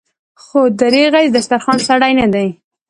خو دريغه چې د دسترخوان سړی نه دی.